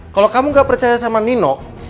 kalau kamu gak percaya sama nino